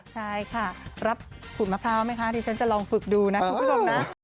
ใช่ค่ะรับขูดมะพร้าวไหมคะที่ฉันจะลองฝึกดูนะคุณผู้ชมนะ